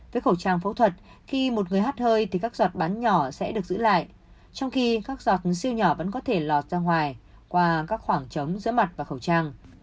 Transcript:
với khẩu trang phẫu thuật khi một người hát hơi thì các giọt bán nhỏ sẽ được giữ lại trong khi các giọt siêu nhỏ vẫn có thể lọt ra ngoài qua các khoảng trống giữa mặt và khẩu trang